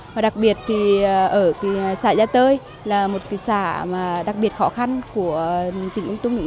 và đặc biệt thì ở xã gia tơi là một xã đặc biệt khó khăn của tỉnh tung tung